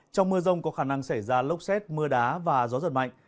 trong mưa rông có khả năng xảy ra lốc xét mưa đá và gió giật mạnh